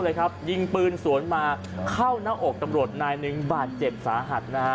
วาดประตูภารกิจรับยิงปืนสวนมาเข้าหน้าอกตำรวจนายหนึ่งบาทเจ็บสาหัส